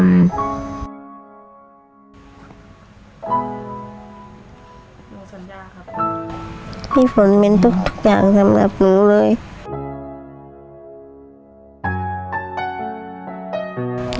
พี่ฝนเป็นทุกอย่างสำหรับหนูเลย